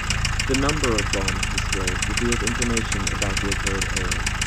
The number of bombs displayed revealed information about the occurred error.